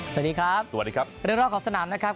สวัสดีครับสวัสดีครับเฮรื่องรอกอักษรธรรมนะครับ